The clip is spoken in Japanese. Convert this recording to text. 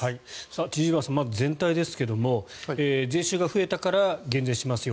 千々岩さん、全体ですが税収が増えたから減税しますよ